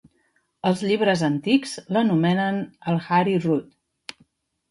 Els llibres antics l'anomenen el Hari Rud.